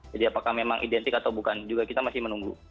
jadi apakah memang identik atau bukan juga kita masih menunggu